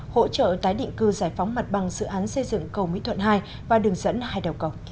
hỗ trợ tái định cư giải phóng mặt bằng dự án xây dựng cầu mỹ thuận hai và đường dẫn hai đầu cầu